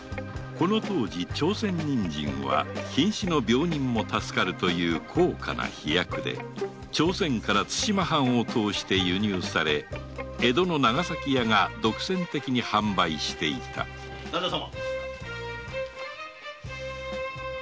この当時「朝鮮人参」はひん死の病人も助かるという高価な秘薬で朝鮮から対馬藩を通して輸入され江戸の長崎屋が独占的に販売していた旦那様。